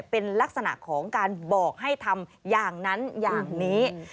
เป็นลักษณะของการบอกให้ทำอย่างนั้นอย่างนี้